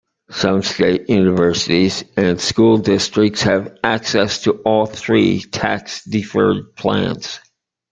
Some state universities and school districts have access to all three tax-deferred plans.